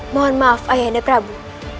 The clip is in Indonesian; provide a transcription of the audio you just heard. jangan maaf ayahanda prabu